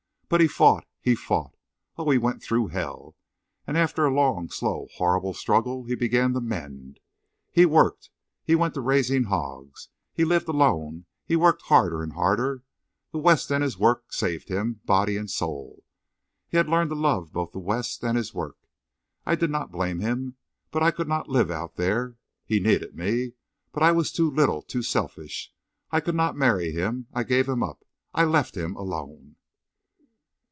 But he fought—he fought—Oh! he went through hell! And after a long, slow, horrible struggle he began to mend. He worked. He went to raising hogs. He lived alone. He worked harder and harder.... The West and his work saved him, body and soul.... He had learned to love both the West and his work. I did not blame him. But I could not live out there. He needed me. But I was too little—too selfish. I could not marry him. I gave him up. ... I left—him—alone!"